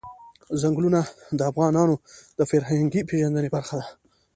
ځنګلونه د افغانانو د فرهنګي پیژندنې برخه ده.